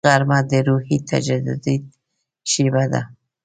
غرمه د روحي تجدید شیبه ده